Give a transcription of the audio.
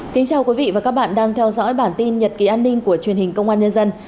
chào mừng quý vị đến với bản tin nhật ký an ninh của truyền hình công an nhân dân